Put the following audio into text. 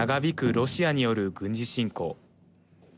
ロシアによる軍事侵攻。